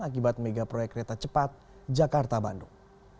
akibat mega proyek kereta cepat jakarta bandung